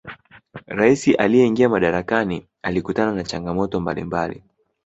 raisi aliyeingia madarakani alikutana na changamoto mbalimbali